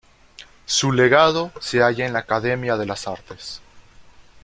Su legado se haya en la Academia de las Artes.